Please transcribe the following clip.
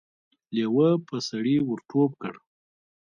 لېوه په سړي ور ټوپ کړ.